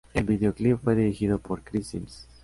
El video clip fue dirigido por Chris Sims.